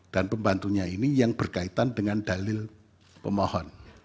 dan pembantunya ini yang berkaitan dengan dalil pemohon